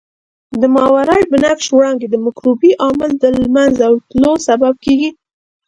ماورای بنفش وړانګې د مکروبي عامل د له منځه تلو سبب کیږي.